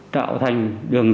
tạo thành đường dây